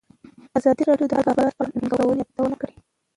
ازادي راډیو د د کار بازار په اړه د ننګونو یادونه کړې.